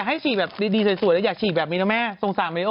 หวังง่าย๔๕